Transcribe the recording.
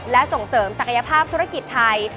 และส่งเสริมศักยภาพธุรกิจไทย